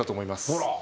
ほら。